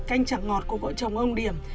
canh chẳng ngọt của vợ chồng ông điểm